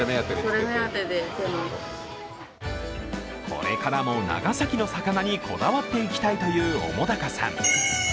これからも長崎の魚にこだわっていきたいという澤潟さん。